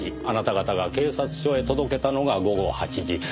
あなた方が警察署へ届けたのが午後８時。